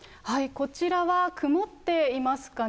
こちらは曇っていますかね。